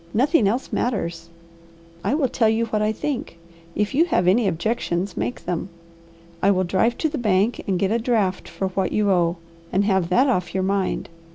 Nothing else matters. I will tell you what I think; if you have any objections, make them. I will drive to the bank and get a draft for what you owe, and have that off your mind.